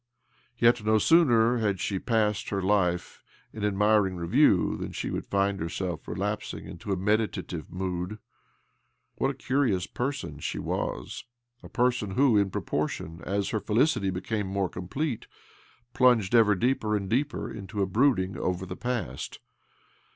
Yet, no sooner had she passed her life in admiring review than she would find herself relapsing into a meditative mood. What a curious person she was !— a person who, in proportion as her felicity becamtei 248 OBLOMOV more complete, plunged ever deeper and deeper into a brooding over the past